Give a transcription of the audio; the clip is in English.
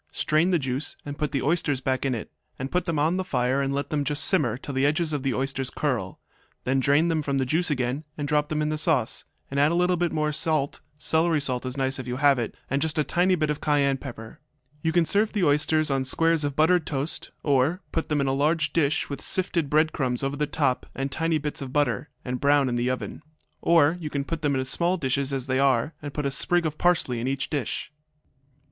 Strain the juice and put the oysters back in it, and put them on the fire and let them just simmer till the edges of the oysters curl; then drain them from the juice again and drop them in the sauce, and add a little more salt (celery salt is nice if you have it), and just a tiny bit of cayenne pepper. You can serve the oysters on squares of buttered toast, or put them in a large dish, with sifted bread crumbs over the top and tiny bits of butter, and brown in the oven. Or you can put them in small dishes as they are, and put a sprig of parsley in each dish.